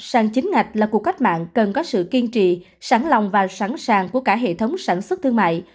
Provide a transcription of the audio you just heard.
sang chính ngạch là cuộc cách mạng cần có sự kiên trì sẵn lòng và sẵn sàng của cả hệ thống sản xuất thương mại